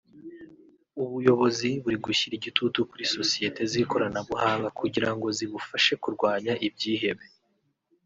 ubuyobozi buri gushyira igitutu kuri sosiyete z’ikoranabuhanga kugira ngo zibufashe kurwanya ibyihebe